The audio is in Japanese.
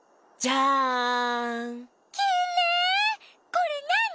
これなに？